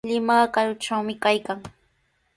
Limaqa karutrawmi kaykan.